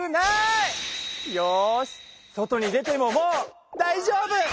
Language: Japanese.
よし外に出てももうだいじょうぶ！